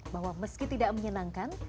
bahwa meski tidak menyenangkan